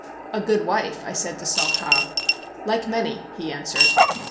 'A good wife,' I said to Saw Ka. 'Like many,' he answered.